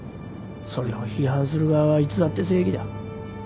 それを批判する側はいつだって正義だ。